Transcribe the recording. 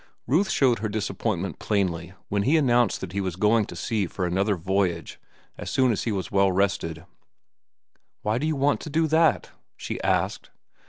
Ruth showed her disappointment plainly when he announced that he was going to sea for another voyage as soon as he was well rested. "Why do you want to do that?" she asked.